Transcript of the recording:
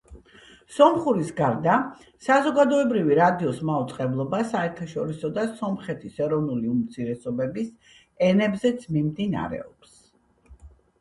სომხურის გარდა, საზოგადოებრივი რადიოს მაუწყებლობა საერთაშორისო და სომხეთის ეროვნული უმცირესობების ენებზეც მიმდინარეობს.